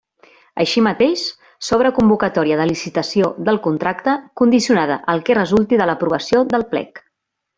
Així mateix, s'obre convocatòria de licitació del contracte, condicionada al que resulti de l'aprovació del Plec.